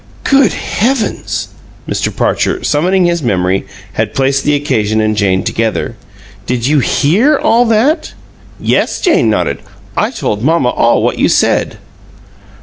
"Good heavens!" Mr. Parcher, summoning his memory, had placed the occasion and Jane together. "Did you HEAR all that?" "Yes." Jane nodded. "I told mamma all what you said."